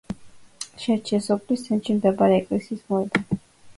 შეარჩიეს სოფლის ცენტრში მდებარე ეკლესიის მოედანი.